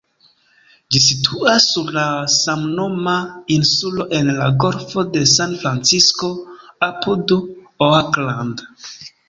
Ĝi situas sur la samnoma insulo en la Golfo de San-Francisko apud Oakland.